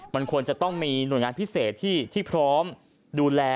มันควรจะต้องมีหน่วยงานพิเศษที่พร้อมดูแล